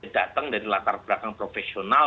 datang dari latar belakang profesional